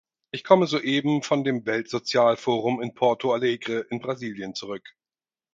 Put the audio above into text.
Ich komme soeben von dem Welt-Sozial-Forum in Porto Alegre in Brasilien zurück.